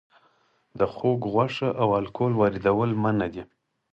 د خوګ غوښه او الکول واردول منع دي؟